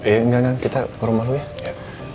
ya enggak kita ke rumah lo ya